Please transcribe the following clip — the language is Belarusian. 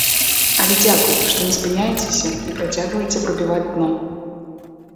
Але дзякуй, што не спыняецеся і працягваеце прабіваць дно.